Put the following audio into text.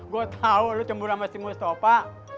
gue tau lo cemburan sama si mustafa